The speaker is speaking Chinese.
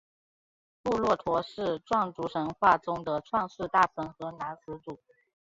布洛陀是壮族神话中的创世大神和男始祖。